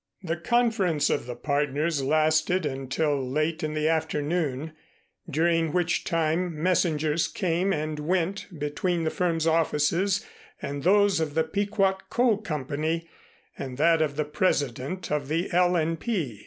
The conference of the partners lasted until late in the afternoon, during which time messengers came and went between the firm's offices and those of the Pequot Coal Company and that of the President of the L. and P.